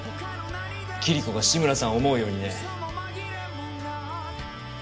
キリコが志村さんを思うようにね